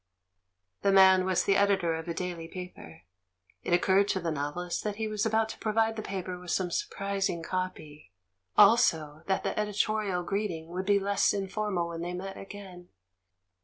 The man was the Editor of a daily paper; it occurred to the novelist that he was about to provide the paper with some sur prising copy; also, that the editorial greeting would be less informal when they met again.